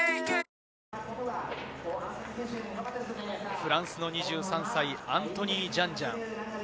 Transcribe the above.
フランスの２３歳、アントニー・ジャンジャン。